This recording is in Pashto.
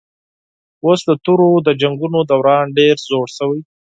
اوس د تورو د جنګونو دوران ډېر زوړ شوی